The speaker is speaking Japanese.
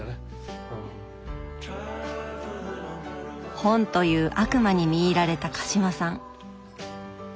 本という悪魔に魅入られた鹿島さん。